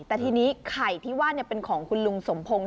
แต่ทีนี้ไข่ที่ว่าเป็นของคุณลุงสมพงศ์